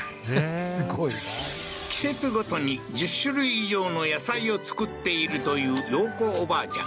すごいな季節ごとに１０種類以上の野菜を作っているという洋子おばあちゃん